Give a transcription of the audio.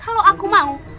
kalau aku mau